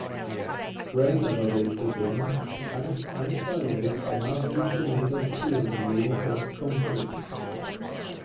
Grain-elevator bins, tanks, and silos are now usually made of steel or reinforced concrete.